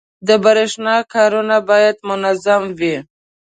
• د برېښنا کارونه باید منظم وي.